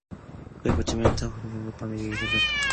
그는 봇짐 위에 칵 엎어지며 어서 밤 되기를 기다렸다.